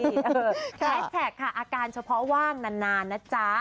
แท็กค่ะอาการเฉพาะว่างนานนะจ๊ะ